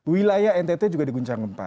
wilayah ntt juga diguncang gempa